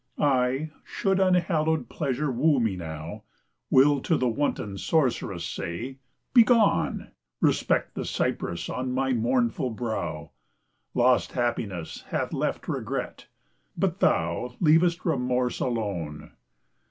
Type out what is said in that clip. I, should unhallowed Pleasure woo me now, Will to the wanton sorc'ress say, "Begone! Respect the cypress on my mournful brow, Lost Happiness hath left regret but thou Leavest remorse, alone."